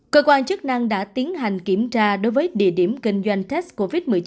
cơ quan chức năng đã tiến hành kiểm tra đối với địa điểm kinh doanh test covid một mươi chín